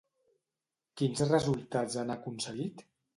Quins resultats han aconseguit?